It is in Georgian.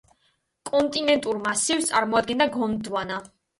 კონტინენტურ მასივს წარმოადგენდა გონდვანა.